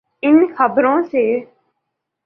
ان خبروں سے؟